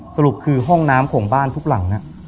สรุปคือห้องน้ำของบ้านทุกหลัง